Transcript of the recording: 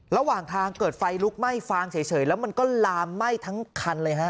ระหว่างทางเกิดไฟลุกไหม้ฟางเฉยแล้วมันก็ลามไหม้ทั้งคันเลยฮะ